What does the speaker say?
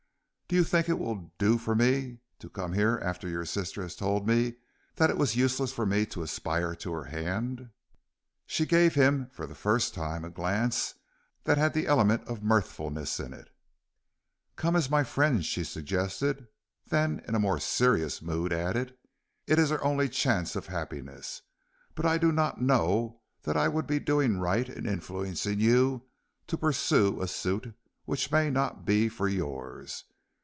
"Do you think it will do for me to come here after your sister has told me that it was useless for me to aspire to her hand?" She gave him for the first time a glance that had the element of mirthfulness in it. "Come as my friend," she suggested; then in a more serious mood added: "It is her only chance of happiness, but I do not know that I would be doing right in influencing you to pursue a suit which may not be for yours.